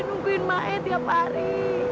nungguin ma'e tiap hari